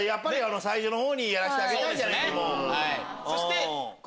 最初のほうにやらしてあげたいじゃない。